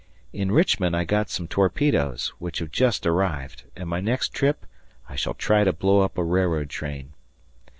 ... In Richmond I got some torpedoes, which have just arrived, and my next trip I shall try to blow up a railroad train.